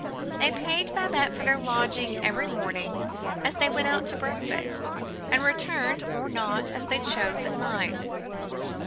They paid Babette for their lodging every morning as they went out to breakfast, and returned or not as they chose, at night.